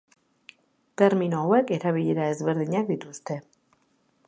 Termino hauek erabilera ezberdinak dituzte.